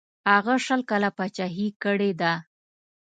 هغه شل کاله پاچهي کړې ده.